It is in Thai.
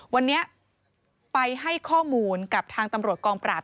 วันนี้ไปให้ข้อมูลกับทางตำรวจกองปราบ